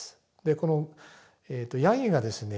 このヤギがですね